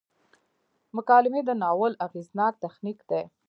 مکالمې د ناول اغیزناک تخنیک دی.